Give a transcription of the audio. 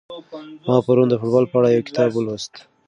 ما پرون د فوټبال په اړه یو کتاب ولوست.